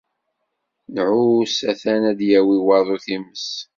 Nɛuss atan ad d-yawi waḍu times.